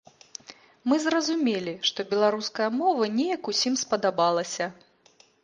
Мы зразумелі, што беларуская мова неяк усім спадабалася.